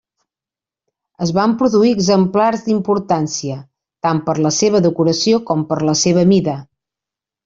Es van produir exemplars d'importància tant per la seva decoració com per la seva mida.